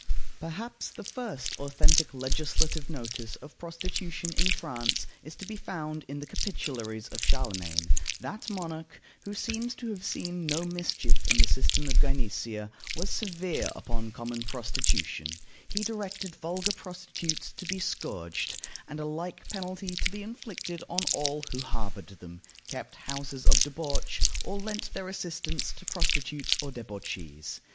Perhaps the first authentic legislative notice of prostitution in France is to be found in the Capitularies of Charlemagne. That monarch, who seems to have seen no mischief in the system of gynecea, was severe upon common prostitution. He directed vulgar prostitutes to be scourged, and a like penalty to be inflicted on all who harbored them, kept houses of debauch, or lent their assistance to prostitutes or debauchees.